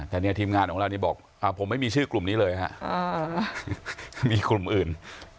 แต่เนี่ยทีมงานของเรานี่บอกผมไม่มีชื่อกลุ่มนี้เลยฮะมีกลุ่มอื่น